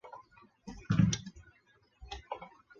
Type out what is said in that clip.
复活节也是他制定的。